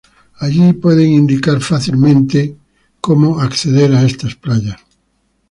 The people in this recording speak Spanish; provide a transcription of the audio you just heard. Allí pueden dar una indicación fácil de seguir para acceder a estas playas.